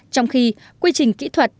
trong khi quy trình kỹ thuật